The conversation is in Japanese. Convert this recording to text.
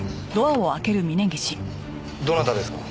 どなたですか？